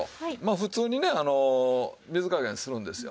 普通にね水加減するんですよ。